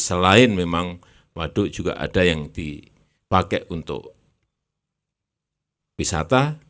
selain memang waduk juga ada yang dipakai untuk wisata